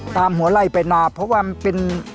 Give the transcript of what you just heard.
หัวไล่ไปนาเพราะว่ามันเป็น